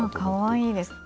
かわいいです。